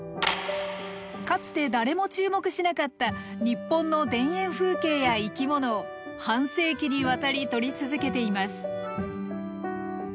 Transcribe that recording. かつて誰も注目しなかったニッポンの田園風景や生き物を半世紀にわたり撮り続けています。